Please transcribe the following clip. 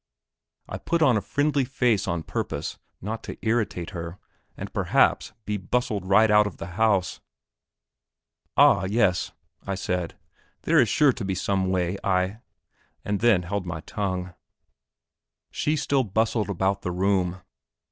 I put on a friendly face on purpose not to irritate her and perhaps be hustled right out of the house. "Ah, yes," I said, "there is sure to be some way!" and then held my tongue. She still bustled about the room.